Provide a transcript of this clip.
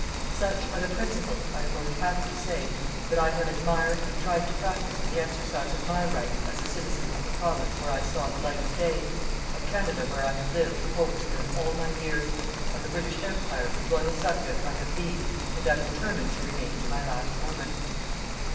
Such are the principles, I am most happy to say, that I have admired and try to practice in the exercise of my rights as a citizen of the Province where I saw the light of day, of Canada where I have lived and hope to live all my years, of the British Empire whose loyal subject I have been and am determined to remain to my last moment.